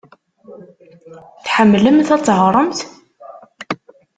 Tḥemmlemt ad teɣremt?